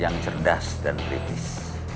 yang cerdas dan kritis